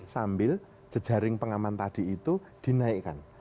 sambil jejaring pengaman tadi itu dinaikkan